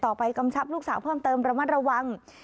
กำชับลูกสาวเพิ่มเติมระมัดระวัง